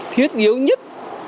thiết yếu nhất